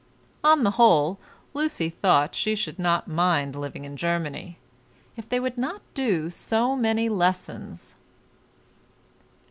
On the whole, Lucy thought she should not mind living in Germany, if they would not do so many lessons.